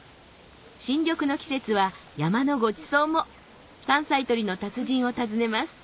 新緑の季節は山のごちそうも山菜採りの達人を訪ねます